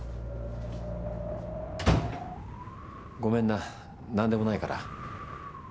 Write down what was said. ごめんな何でもないから。